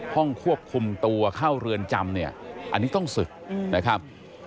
ห้องควบคุมตัวเข้าเรือนจำเนี่ยอันนี้ต้องศึกนะครับ